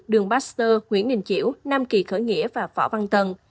đường baxter nguyễn đình chiểu nam kỳ khởi nghĩa và phỏ văn tần